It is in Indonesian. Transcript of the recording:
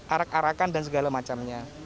arak arakan dan segala macamnya